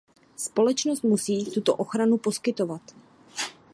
Společnost musí tuto ochranu poskytovat.